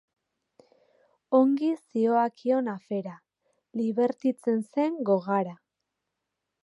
Ongi zihoakion afera, libertitzen zen gogara.